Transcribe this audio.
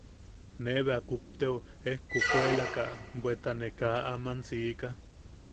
Ne bea kupteo ejkukuelaaka bweta ne kaa aman siika.